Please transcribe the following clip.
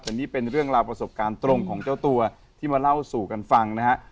อันนี้เป็นเรื่องราวประสบการณ์ตรงของเจ้าตัวที่มาเล่าสู่กันฟังนะฮะ